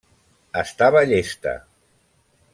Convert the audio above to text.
Estava llesta.